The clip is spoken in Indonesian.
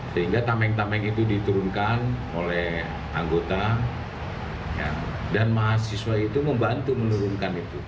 sehingga tameng tameng itu diturunkan oleh anggota dan mahasiswa itu membantu menurunkan itu